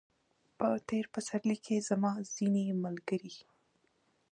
په تېر پسرلي کې زما ځینې ملګري